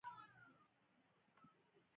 د بښنې دعا د زړه ارام دی.